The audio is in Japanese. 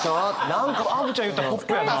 何かアヴちゃん言ったらポップやな。